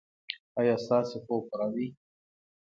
ایا ستاسو خوب پوره دی؟